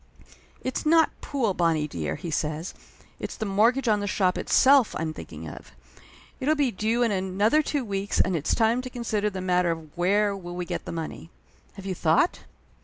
"It's not pool, Bonnie dear," he says. "It's the mortgage on the shop itself I'm thinking of. It'll be due in another two weeks and it's time to consider the 40 Laughter Limited matter of where will we get the money. Have you thought?"